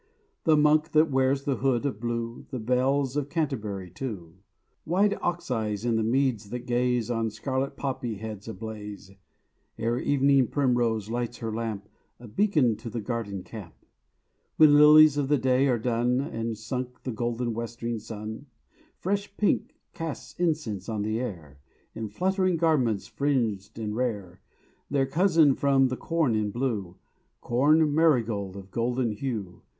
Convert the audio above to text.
The Monk that wears the Hood of blue, The Belles of Canterbury, too: Wide Oxeyes in the meads that gaze On scarlet Poppy heads ablaze: Ere Evening Primrose lights her lamp, A beacon to the garden camp: When Lilies of the Day are done, And sunk the golden westering sun: Fresh Pinks cast incense on the air, In fluttering garments fringed and rare. Their cousin from the corn in blue; Corn Marigold of golden hue.